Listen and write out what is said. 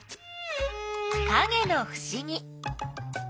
かげのふしぎ。